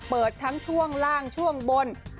เปิดทั้งช่วงล่างช่วงบน